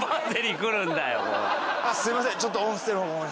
あっすいません。